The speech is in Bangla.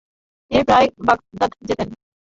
তিনি প্রায়ই বাগদাদ যেতেন।